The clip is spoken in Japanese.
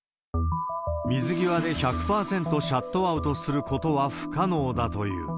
水際で１００％シャットアウトすることは不可能だという。